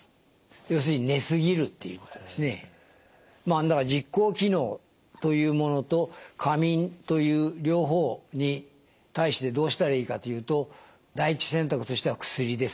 要するに寝過ぎるっていうことですね。という両方に対してどうしたらいいかというと第１選択としては薬ですね。